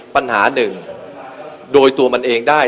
ปัญหาหนึ่งโดยตัวมันเองได้